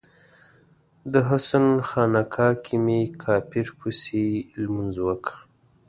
د حسن خانقا کې می کافر پسې لمونځ وکړ